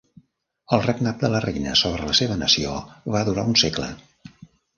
El regnat de la reina sobre la seva nació va durar un segle.